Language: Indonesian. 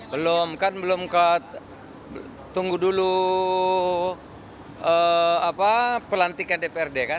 belum kan belum ke tunggu dulu pelantikan dprd kan